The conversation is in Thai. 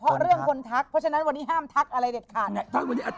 เพราะเรื่องคนทักเพราะฉะนั้นวันนี้ห้ามทักอะไรเด็ดขาดเนี่ย